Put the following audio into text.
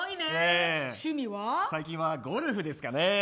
最近はゴルフですかね。